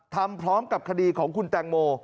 ทำพร้อมกับคดีของคุณแตงโม